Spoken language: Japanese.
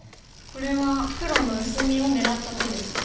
これは黒の薄みを狙った手ですか？